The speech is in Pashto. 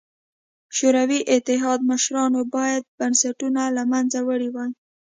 شوروي اتحاد مشرانو باید بنسټونه له منځه وړي وای.